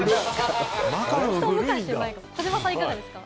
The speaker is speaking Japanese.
児嶋さん、いかがですか？